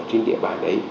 trên địa bàn đấy